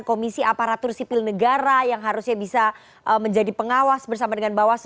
komisi aparatur sipil negara yang harusnya bisa menjadi pengawas bersama dengan bawaslu